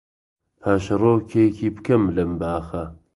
پاشەرۆکێکی بکەم لەم باخە